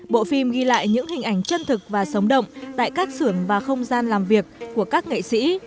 bộ phim ghi lại những hình ảnh chân thực và sống động tại các xưởng và không gian làm việc của các nghệ sĩ